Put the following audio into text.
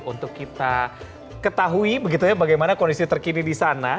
untuk kita ketahui bagaimana kondisi terkini di sana